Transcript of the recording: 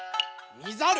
みざる。